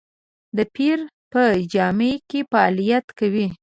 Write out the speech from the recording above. د پیر په جامه کې فعالیت کوي.